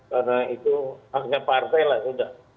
karena itu haknya partai lah sudah